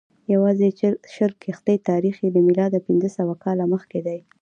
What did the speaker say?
یوازې شل کښتۍ تاریخ یې له میلاده پنځه سوه کاله مخکې دی.